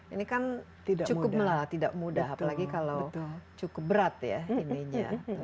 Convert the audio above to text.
ini kan cukup tidak mudah apalagi kalau cukup berat ya ininya